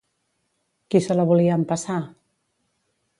Qui se la volia empassar?